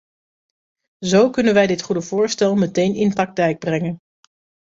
Zo kunnen wij dit goede voorstel meteen in praktijk brengen.